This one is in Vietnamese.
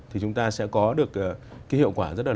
thì chúng ta sẽ có được cái hiệu quả rất là cao